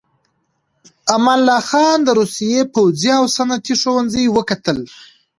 امان الله خان د روسيې پوځي او صنعتي ښوونځي وکتل.